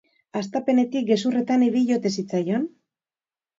Hastapenetik gezurretan ibili ote zitzaion?